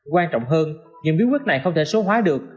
quan trọng hơn những biến quyết này không thể số hóa được